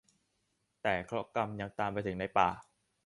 แต่เคราะห์กรรมยังตามไปถึงในป่า